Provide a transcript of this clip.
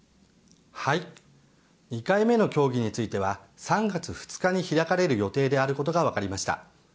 ２回目の協議については３月２日に開かれる予定であることが分かりました。